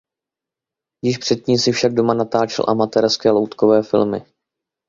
Již předtím si však doma natáčel amatérské loutkové filmy.